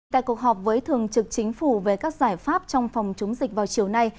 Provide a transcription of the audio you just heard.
tại cuộc họp với thường trực chính phủ về các giải pháp trong phòng chống dịch vào chiều nay